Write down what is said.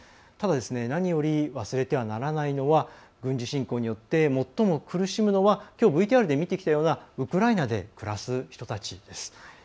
ただ、何より忘れてはならないのは軍事侵攻によって最も苦しむのはきょうＶＴＲで見てきたようなウクライナに暮らす人たちです。